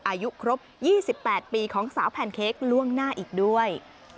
อายุครบ๒๘ปีของสาวแพนเค้กล่วงหน้าอีกด้วย